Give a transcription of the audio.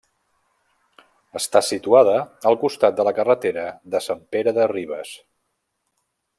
Està situada al costat de la carretera de Sant Pere de Ribes.